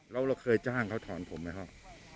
เราเคยจ้างเราถอนผมนะครับ